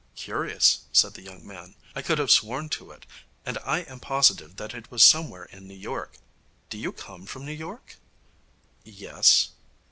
'Curious,' said the young man. 'I could have sworn to it, and I am positive that it was somewhere in New York. Do you come from New York?' 'Yes.'